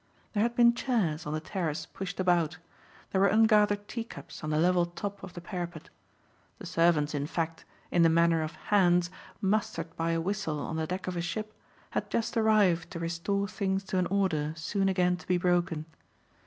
There had been chairs, on the terrace, pushed about; there were ungathered teacups on the level top of the parapet; the servants in fact, in the manner of "hands" mustered by a whistle on the deck of a ship, had just arrived to restore things to an order soon again to be broken.